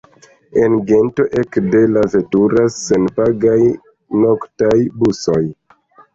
En Gento ekde la veturas senpagaj noktaj busoj.